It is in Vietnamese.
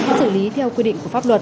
và xử lý theo quy định của pháp luật